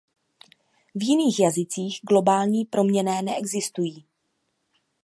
V jiných jazycích globální proměnné neexistují.